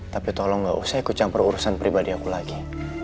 tapi tolong gak usah ikut campur urusan pribadi aku lagi